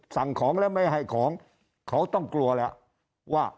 สั่งของแล้วไม่ให้ของเขาต้องกลัวแล้วว่า